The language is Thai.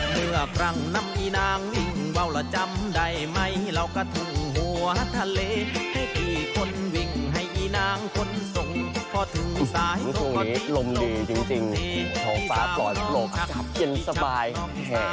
เมื่อพรั่งนำอีนางวิ่งเว้าละจำได้ไหมเรากระทุงหัวทะเลให้กี่คนวิ่งให้อีนางคนส่งพอถึงซ้ายทุกคนดีตรงนี้ท้องฟ้าก่อนหลบจับเย็นสบายแห่